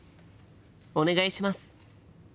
お願いします！